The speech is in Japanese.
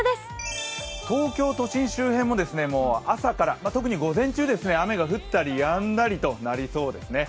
東京都心周辺も朝から、特に午前中、雨が降ったりやんだりとなりそうですね。